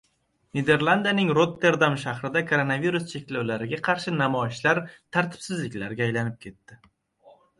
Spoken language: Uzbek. Niderlandiyaning Rotterdam shahrida koronavirus cheklovlariga qarshi namoyishlar tartibsizliklarga aylanib ketdi